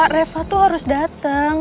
reva tuh harus dateng